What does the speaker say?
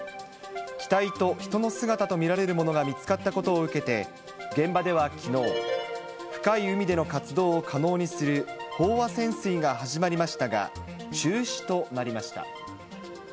機体と人の姿と見られるものが見つかったことを受けて、現場ではきのう、深い海での活動を可能にする飽和潜水が始まりましたが、中止となりました。